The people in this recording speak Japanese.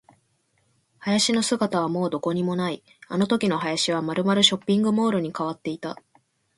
林の姿はもうどこにもない。あのときの林はまるまるショッピングモールに変わっていた。